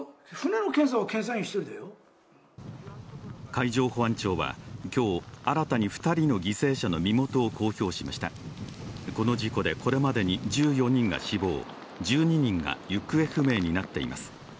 海上保安庁は今日、新たに２人の犠牲者の身元を公表しましたこの事故で、これまでに１４人が死亡１２人が行方不明になっています。